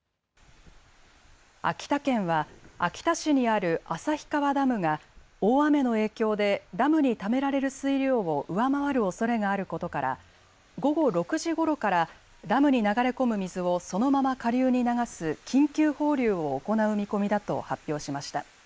秋田県は秋田市にある旭川ダムが大雨の影響でダムにためられる水量を上回るおそれがあることから午後６時ごろからダムに流れ込む水をそのまま下流に流す緊急放流を行う見込みだと発表しました。